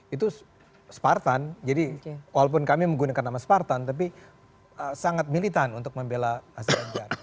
itu spartan jadi walaupun kami menggunakan nama spartan tapi sangat militan untuk membela si ganjar